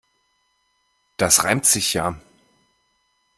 Das reimt sich ja.